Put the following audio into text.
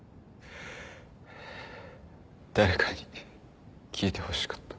誰かに聞いてほしかった。